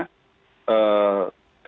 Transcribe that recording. ada pendapat yang sangat penting